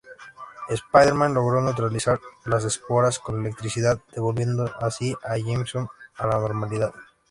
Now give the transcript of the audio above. Spider-Man logró neutralizar las esporas con electricidad, devolviendo así a Jameson a la normalidad.